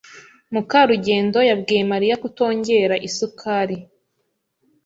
Mukarugendo yabwiye Mariya kutongera isukari.